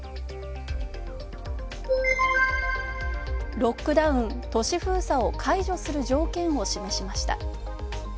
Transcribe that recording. ロックダウン＝都市封鎖を解除する条件を示しました。